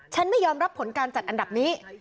ไม่ยอมรับผลการจัดอันดับนี้